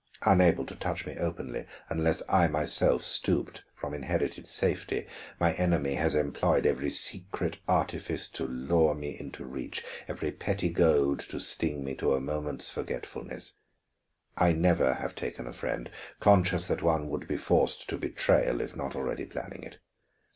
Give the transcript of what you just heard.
Unable to touch me openly unless I myself stooped from inherited safety, my enemy has employed every secret artifice to lure me into reach, every petty goad to sting me to a moment's forgetfulness. I never have taken a friend, conscious that one would be forced to betrayal if not already planning it.